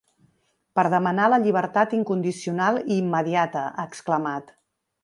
Per demanar la llibertat incondicional i immediata, ha exclamat.